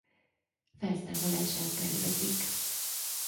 Felszámolását tervezik.